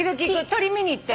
鳥見に行ってる。